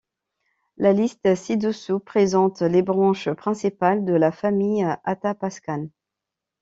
La liste ci-dessous présente les branches principales de la famille athapascane.